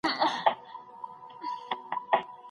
څېړونکي وویل چي تاریخ باید واقعیت غوره کړي.